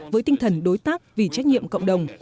với tinh thần đối tác vì trách nhiệm cộng đồng